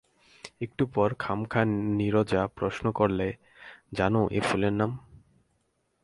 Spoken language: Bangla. একটু পরে খামখা নীরজা প্রশ্ন করলে, জান এ ফুলের নাম?